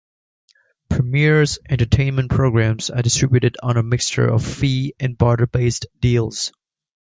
Premiere's entertainment programs are distributed on a mixture of fee and barter based deals.